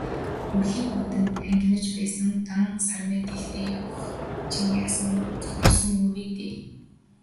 Өвлийн хүйтэн хангинаж байтал, дан сармай дээлтэй явах чинь яасан зутарсан үр вэ дээ.